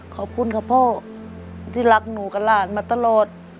ขอบคุณค่ะพ่อที่รักหนูกับหลานมาตลอด